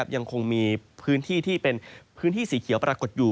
ยังคงมีพื้นที่สีเขียวปรากฏอยู่